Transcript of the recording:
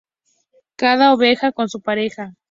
Cada oveja con su pareja